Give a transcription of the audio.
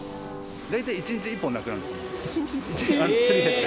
大体１日１本なくなるんです。